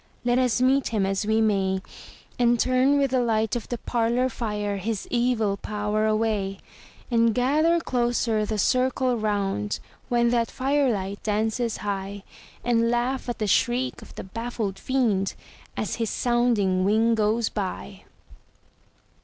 Let us meet him as we may, And turn with the light of the parlor fire his evil power away; And gather closer the circle round, when that fire light dances high, And laugh at the shriek of the baffled Fiend as his sounding wing goes by!